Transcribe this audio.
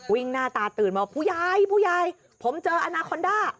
วิ่งหน้าตาตื่นมาว่าผู้ยายผมเจออนาคอนด้า